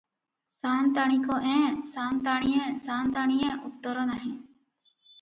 ସାଆନ୍ତାଣିକଏଁ - ସାଆନ୍ତାଣିଏଁ - ସାଆନ୍ତାଣିଏଁ - ଉତ୍ତର ନାହିଁ ।